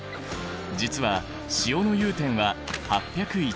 実は塩の融点は８０１℃。